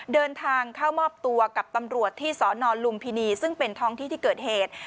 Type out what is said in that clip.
เดินทางเข้ามอบตัวกับตำรวจที่สนลุมพินีซึ่งเป็นท้องที่ที่เกิดเหตุ